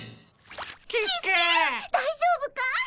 大丈夫かい？